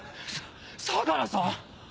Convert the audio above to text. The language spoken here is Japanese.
相良さん